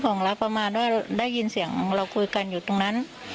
ของเราประมาณว่าได้ยินเสียงเราคุยกันอยู่ตรงนั้น